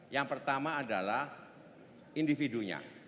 yang pertama adalah individunya